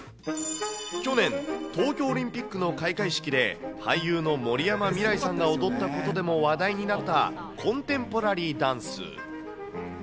去年、東京オリンピックの開会式で、俳優の森山未來さんが踊ったことでも話題になったコンテンポラリーダンス。